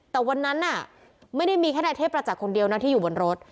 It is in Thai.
แต่วันนั้นน่ะไม่ได้มีแค่นายเทพประจักษ์คนเดียวนะที่อยู่บนรถ